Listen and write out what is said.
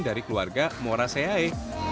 dari keluarga muara seae